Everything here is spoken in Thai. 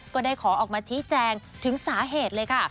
ก็ได้ขอออกมาชี้แจงถึงสาเหตุเลยค่ะ